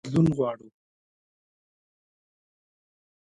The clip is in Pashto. بدلون غواړو.